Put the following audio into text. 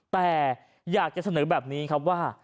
แต่อยากจะเสนอแบบนี้ครับว่า